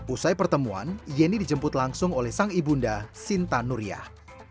usai pertemuan yeni dijemput langsung oleh sang ibunda sinta nuriyah